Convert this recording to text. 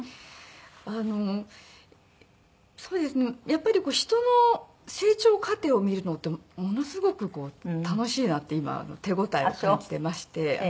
やっぱり人の成長過程を見るのってものすごく楽しいなって今手応えを感じていまして。